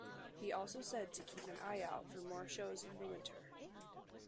He also said to keep an eye out for more shows in the winter.